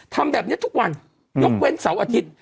ทำแบบนี้ทุกวันยกเว้นเสาร์อาทิตย์